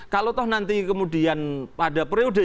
kalau toh nanti kemudian pada periode